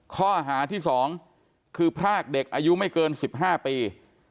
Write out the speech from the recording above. ข้อหาที่๒คือพรากเด็กอายุไม่เกิน๑๕ปี